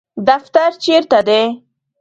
دفتر چیرته دی؟